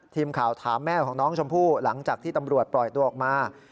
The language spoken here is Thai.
ทีมข่าวถามแม่ของน้องชมพู่หลังจากที่ตำรวจปล่อยตัวออกมา